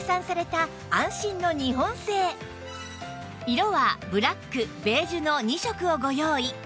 色はブラックベージュの２色をご用意